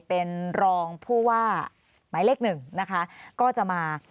เป็นรองผู้ว่าหมายเลขหนึ่งนะคะก็จะมา